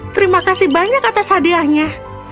terima kasih banyak atas hadiahnya